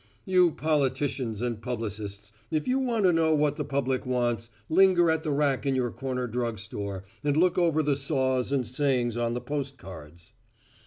You politicians and publicists, if you want to know what the public wants, linger at the rack in your corner drug store and look over the saws and sayings on the post cards.